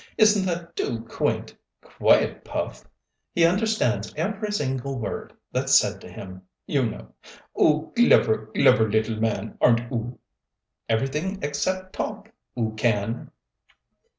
Isn't that too quaint? Quiet, Puff! He understands every single word that's said to him, you know. 'Oo clever, clever little man, aren't 'oo? Everything except talk, 'oo can."